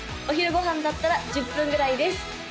お昼ご飯だったら１０分ぐらいです